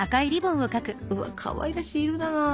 うわかわいらしい色だな。